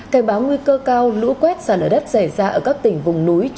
cảnh báo nguy cơ cao lũ quét sàn lửa đất xảy ra ở các tỉnh vùng núi